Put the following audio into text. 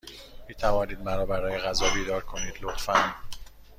می توانید مرا برای غذا بیدار کنید، لطفا؟